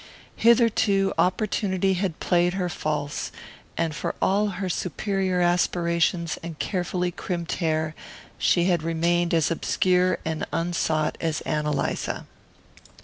Hitherto opportunity had played her false; and for all her superior aspirations and carefully crimped hair she had remained as obscure and unsought as Ann Eliza.